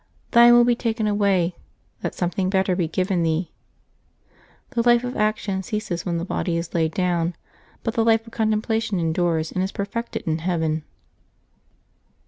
Thine will be taken away, that something better be given thee." The life of action ceases when the body is laid down; but the life of contemplation endures and is per fected in heaven.